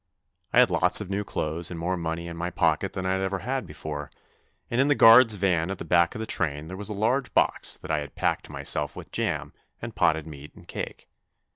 I had lots of new clothes and more money in my pocket than I had ever had before, and in the guard's van at the back of the train there was a large box that I had packed myself with jam and potted meat and cake.